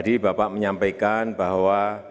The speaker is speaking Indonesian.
tadi bapak menyampaikan bahwa